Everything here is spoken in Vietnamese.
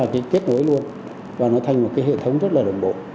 nó sẽ là cái kết nối luôn và nó thành một cái hệ thống rất là đồng bộ